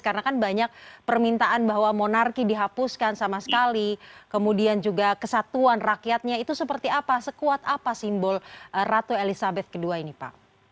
karena kan banyak permintaan bahwa monarki dihapuskan sama sekali kemudian juga kesatuan rakyatnya itu seperti apa sekuat apa simbol ratu elisabeth ii ini pak